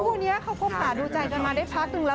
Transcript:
คุณคู่เนี่ยขอบความสร้างจุดดูใจมาได้พัก